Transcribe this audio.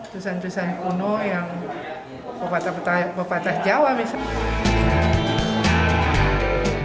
tulisan tulisan kuno yang pepatah pepatah jawa misalnya